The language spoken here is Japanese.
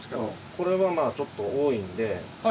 これはちょっと多いので。